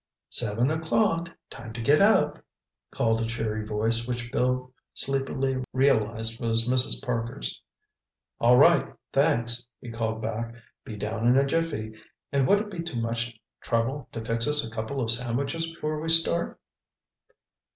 "Seven o'clock—time to get up!" called a cheery voice which Bill sleepily realized was Mrs. Parker's. "All right, thanks," he called back. "Be down in a jiffy. And would it be too much trouble to fix us a couple of sandwiches before we start?"